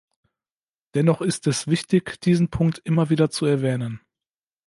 Dennoch ist es wichtig, diesen Punkt immer wieder zu erwähnen.